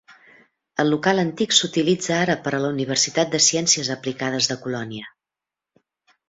El local antic s'utilitza ara per a la universitat de ciències aplicades de Colònia.